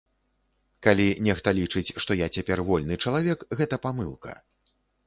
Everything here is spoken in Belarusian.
Калі нехта лічыць, што я цяпер вольны чалавек, гэта памылка.